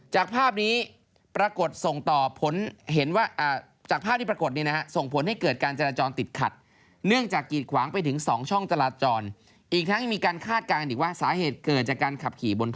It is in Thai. จากภาพนี้ปรากฏส่งต่อผลเห็นว่า